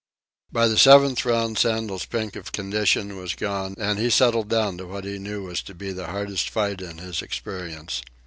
By the seventh round Sandel's pink of condition was gone, and he settled down to what he knew was to be the hardest fight in his experience.